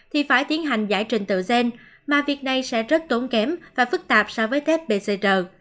thì phải tiến hành giải trình tự gen mà việc này sẽ rất tốn kém và phức tạp so với tết pcr